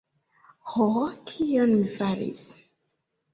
Ho, kion mi faris?